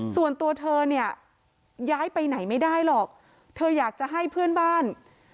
ส่วนตัวเธอเนี่ยย้ายไปไหนไม่ได้หรอกเธออยากจะให้เพื่อนบ้าน